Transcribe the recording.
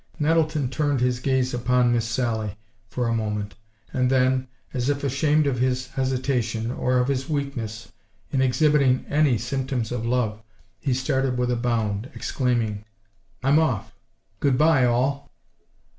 Nettleton turned his gaze upon Miss Sally, for a moment, and then, as if ashamed of his hesitation, or of his weakness, in exhibiting any symptoms of love, he started with a bound, exclaiming: "I'm off. Good by, all!"